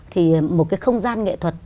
thì một cái không gian nghệ thuật